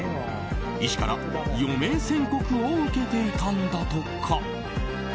医師から余命宣告を受けていたんだとか。